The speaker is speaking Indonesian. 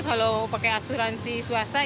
kalau pakai asuransi swasta